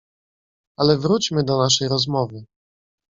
"Ale wróćmy do naszej rozmowy."